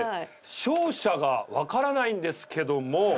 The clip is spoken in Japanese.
勝者が分からないんですけども。